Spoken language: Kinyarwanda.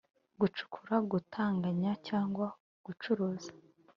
gucukura, gutunganya cyangwa gucuruza